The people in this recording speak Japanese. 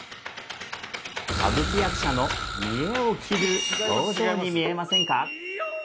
歌舞伎役者の見得を切る表情に見えませんか？